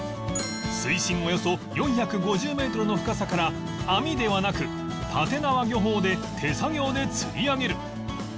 水深およそ４５０メートルの深さから網ではなく立て縄漁法で手作業で釣り上げる